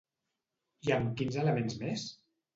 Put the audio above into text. I amb quins elements més?